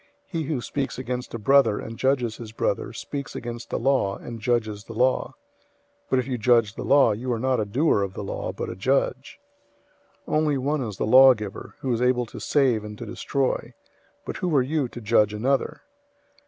He who speaks against a brother and judges his brother, speaks against the law and judges the law. But if you judge the law, you are not a doer of the law, but a judge. 004:012 Only one is the lawgiver, who is able to save and to destroy. But who are you to judge another?